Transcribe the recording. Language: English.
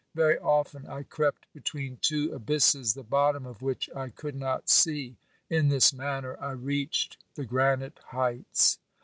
Very often I crept between two abysses the bottom of which I could not see. In this manner I reached the granite heights.